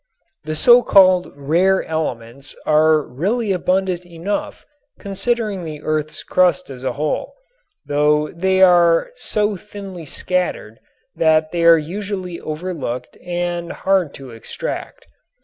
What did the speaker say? The so called "rare elements" are really abundant enough considering the earth's crust as a whole, though they are so thinly scattered that they are usually overlooked and hard to extract.